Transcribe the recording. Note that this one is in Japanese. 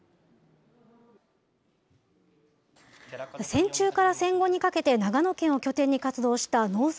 戦中から戦後にかけて、長野県を拠点に活動した野生司